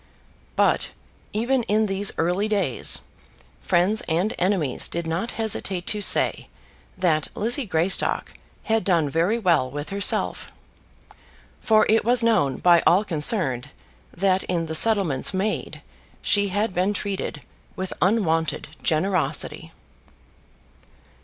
But, even in these early days, friends and enemies did not hesitate to say that Lizzie Greystock had done very well with herself; for it was known by all concerned that in the settlements made she had been treated with unwonted generosity.